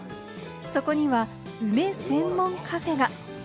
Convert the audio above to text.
そこには梅専門カフェが。